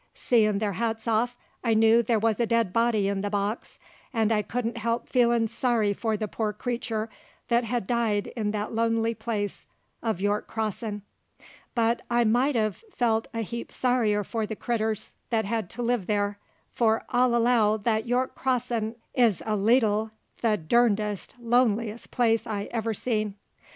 Seein' their hats off, I knew there wuz a dead body in the box, 'nd I couldn't help feelin' sorry for the poor creetur that hed died in that lonely place uv York Crossin'; but I mought hev felt a heap sorrier for the creeters that hed to live there, for I'll allow that York Crossin' is a leetle the durnedest lonesomest place I ever seen.